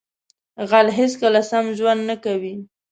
غل هیڅکله سم ژوند نه کوي